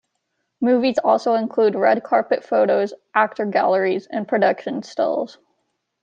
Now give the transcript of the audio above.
Movies also includes red carpet photos, actor galleries, and production stills.